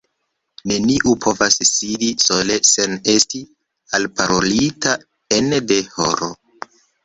Neniu povas sidi sole sen esti alparolita ene de horo.